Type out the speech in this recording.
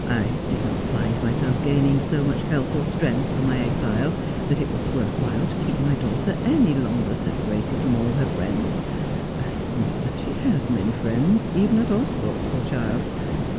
I did not find myself gaining so much health or strength from my exile that it was worth while to keep my daughter any longer separated from all her friends — not that she has many friends, even at Austhorpe, poor child.